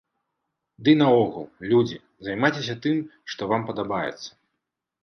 Дый наогул, людзі, займайцеся тым, што вам падабаецца.